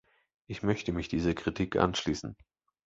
Ich möchte mich dieser Kritik anschließen.